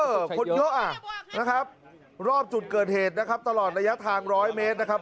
คนเยอะอ่ะนะครับรอบจุดเกิดเหตุนะครับตลอดระยะทางร้อยเมตรนะครับ